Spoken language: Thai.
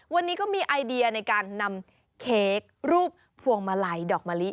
วันนี้ก็มีไอเดียในการนำเค้กรูปพวงมาลัยดอกมะลิ